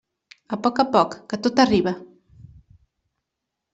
A poc a poc, que tot arriba.